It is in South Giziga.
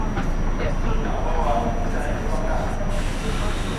Cunju a bawa ti hay ngi waka.